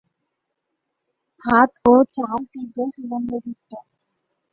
ভাত ও চাল তীব্র সুগন্ধযুক্ত।